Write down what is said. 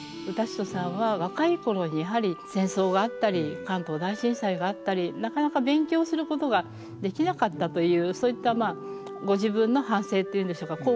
雅楽之都さんは若い頃にやはり戦争があったり関東大震災があったりなかなか勉強することができなかったというそういったご自分の反省っていうんでしょうか